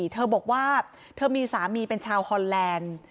เธอบอกว่าเธอมีสามีเป็นชาวฮอนแลนด์